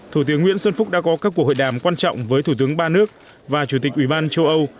thủ tướng nguyễn xuân phúc đã có các cuộc hội đàm quan trọng với thủ tướng ba nước và chủ tịch ủy ban châu âu